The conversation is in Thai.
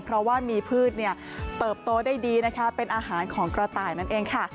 เพราะว่ามีพืชเติบโตได้ดีนะคะเป็นอาหารของกระต่ายนั่นเองค่ะ